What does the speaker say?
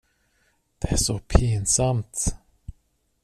Det är så pinsamt.